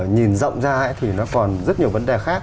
nhìn rộng ra thì nó còn rất nhiều vấn đề khác